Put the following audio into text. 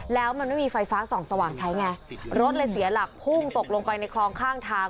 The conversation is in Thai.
แล้วมันไม่มีไฟฟ้าส่องสว่างใช้ไงรถเลยเสียหลักพุ่งตกลงไปในคลองข้างทาง